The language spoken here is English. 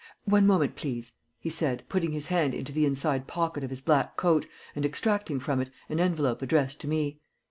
"One moment, please," he said, putting his hand into the inside pocket of his black coat and extracting from it an envelope addressed to me.